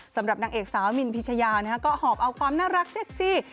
สำหรับนางเอกสาวมินพิชยาก็หอบเอาความน่ารักเซ็กซี่